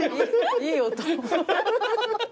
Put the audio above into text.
いい音。